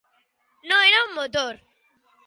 No era un motor.